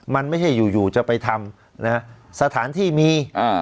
มันไม่ใช่อยู่อยู่จะไปทำนะฮะสถานที่มีอ่า